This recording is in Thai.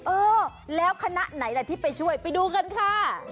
เออแล้วคณะไหนล่ะที่ไปช่วยไปดูกันค่ะ